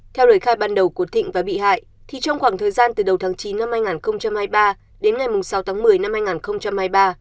theo lời khai ban đầu của thịnh và bị hại thì trong khoảng thời gian từ đầu tháng chín năm hai nghìn hai mươi ba đến ngày sáu tháng một mươi năm hai nghìn hai mươi ba